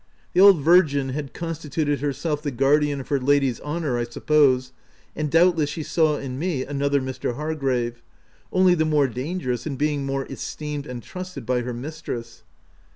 The old virgin had constituted herself the guar dian of her lady's honour, I suppose, and doubtless she saw in me another Mr. Hargrave, only the more dangerous in being more es teemed and trusted by her mistress.